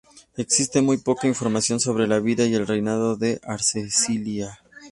Existe muy poca información sobre la vida y el reinado de Arcesilao.